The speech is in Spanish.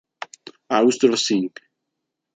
Austro Sin.